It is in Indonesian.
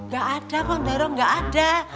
gak ada kondoro gak ada